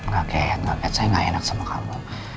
gaget gaget saya gak enak sama kamu